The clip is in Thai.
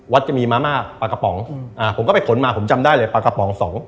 วัดจะมีมาม่าปลากระป๋อง